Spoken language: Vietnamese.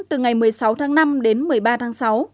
từ ngày một mươi sáu tháng năm đến một mươi ba tháng sáu